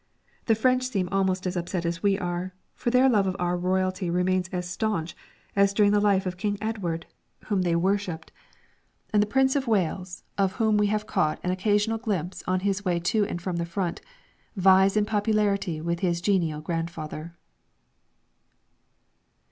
The French seem almost as upset as we are, for their love of our Royalty remains as staunch as during the life of King Edward, whom they worshipped, and the Prince of Wales of whom we have caught an occasional glimpse on his way to and from the Front vies in popularity with his genial grandfather.